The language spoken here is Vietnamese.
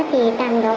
thì tầm gốc